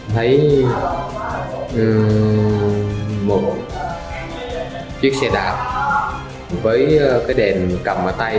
tùng xe đạp với đèn cầm ở tay